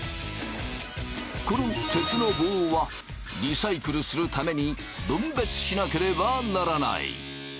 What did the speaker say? この鉄の棒はリサイクルするために分別しなければならない。